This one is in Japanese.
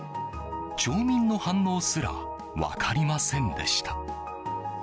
町民の反応すら分かりませんでした。